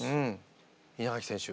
稲垣選手。